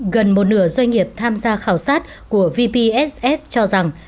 gần một nửa doanh nghiệp tham gia khảo sát của vpsf cho rằng